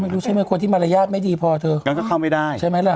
รู้ใช่ไหมคนที่มารยาทไม่ดีพอเธองั้นก็เข้าไม่ได้ใช่ไหมล่ะ